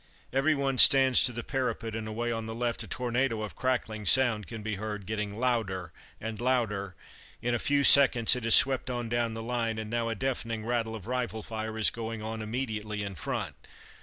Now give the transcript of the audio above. Everyone stands to the parapet, and away on the left a tornado of crackling sound can be heard, getting louder and louder. In a few seconds it has swept on down the line, and now a deafening rattle of rifle fire is going on immediately in front.